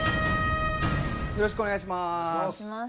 よろしくお願いします。